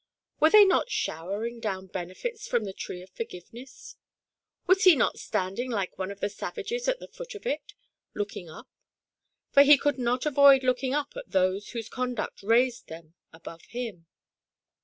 Were they not showering down Benefits jfrom the tree of Forgiveness ?— was he not standing like one of the savages at the foot of it, looking up ? for he could not avoid looking up at those whose conduct raised them above him.